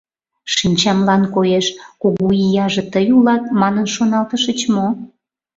— Шинчамлан коеш, кугу ияже тый улат, манын шоналтышыч мо?